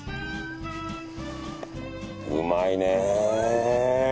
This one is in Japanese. うまいねー。